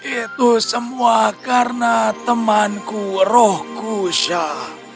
itu semua karena temanku rohku sha